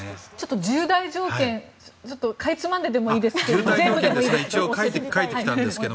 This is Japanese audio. １０大条件かいつまんででもいいですが全部でもいいですけど。